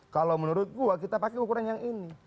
kalau menurut gua kita pakai ukuran yang ini